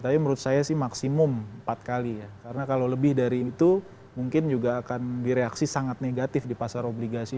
tapi menurut saya sih maksimum empat kali ya karena kalau lebih dari itu mungkin juga akan direaksi sangat negatif di pasar obligasi